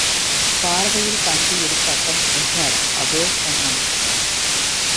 பார்வையில் பண்பு இருக்கட்டும், உஷார்! —அதோ பொன்னன்!